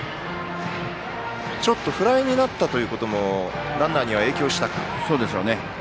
ちょっとフライになったこともランナーには影響したか。